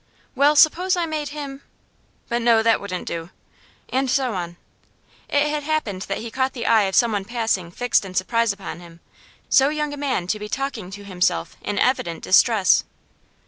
'Well, suppose I made him ?' 'But no, that wouldn't do,' and so on. It had happened that he caught the eye of some one passing fixed in surprise upon him; so young a man to be talking to himself in evident distress!